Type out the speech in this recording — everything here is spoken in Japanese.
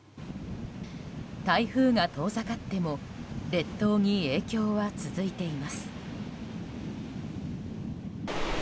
台風が遠ざかっても列島に影響は続いています。